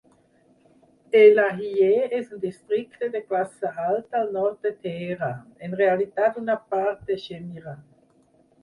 Elahiyeh és un districte de classe alta al nord de Teheran, en realitat una part de Shemiran.